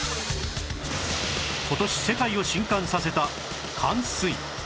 今年世界を震撼させた冠水